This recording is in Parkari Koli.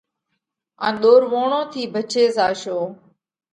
ان ۮورووڻون ٿِي ڀچي زاشون۔